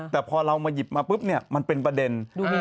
แต่พอเรายีบมาปุ๊บมันเป็นประเด็น